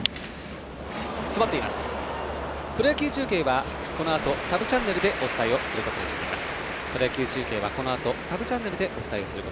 プロ野球中継はこのあとサブチャンネルでお伝えをすることにしています。